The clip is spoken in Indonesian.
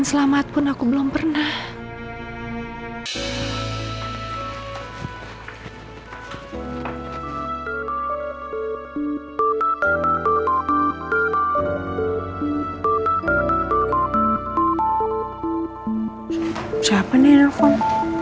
selamat ulang tahun